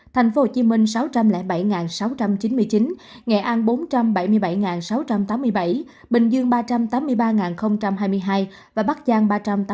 tp hcm sáu trăm linh bảy sáu trăm chín mươi chín nghệ an bốn trăm bảy mươi bảy sáu trăm tám mươi bảy bình dương ba trăm tám mươi ba hai mươi hai và bắc giang ba trăm tám mươi một năm trăm một mươi chín